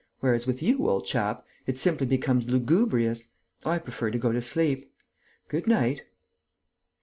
Whereas, with you, old chap, it simply becomes lugubrious. I prefer to go to sleep. Good night!"